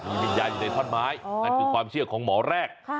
วิญญาณอยู่ในท่อนไม้นั่นคือความเชื่อของหมอแรก